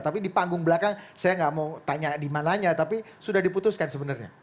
tapi di panggung belakang saya gak mau tanya dimananya tapi sudah diputuskan sebenarnya